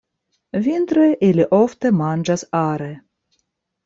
Vintre ili ofte manĝas are.